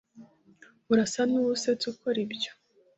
urasa nuwusetsa ukora ibyo